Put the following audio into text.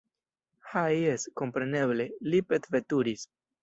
Ha jes, kompreneble, li petveturis!